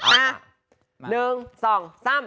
อ่า